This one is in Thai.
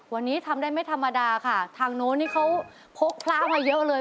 วันนี้ทำได้ไม่ธรรมดาค่ะทางโน้นนี่เขาพกพระมาเยอะเลย